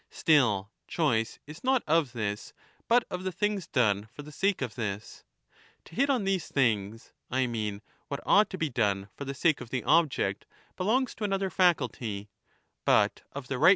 * Still choice^is not of this but of the things done for the sake of this. To hit on these things — I mean what ought to be done for the sake of the object — belongs to another faculty; but of the rightness 0C40 * Not in the existing treatise, but cf.